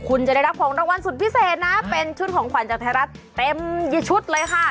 คุณจะได้รับของรางวัลสุดพิเศษนะเป็นชุดของขวัญจากไทยรัฐเต็มชุดเลยค่ะ